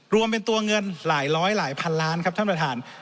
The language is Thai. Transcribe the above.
รวมเป็นตัวเงินหลายร้อยหลายพันล้านครับท่านประธาน